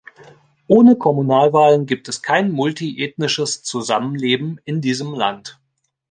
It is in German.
Ohne Kommunalwahlen gibt es kein multi-ethnisches Zusammenleben in diesem Land.